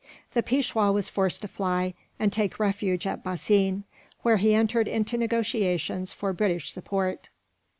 The Peishwa was forced to fly, and take refuge at Bassein, where he entered into negotiations for British support.